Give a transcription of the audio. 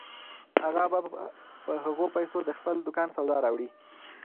اغا به په هغو پیسو د خپل دوکان سودا راوړي.